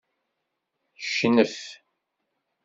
Knef.